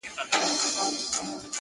یوه ژبه یې ویل د یوه اېل وه!.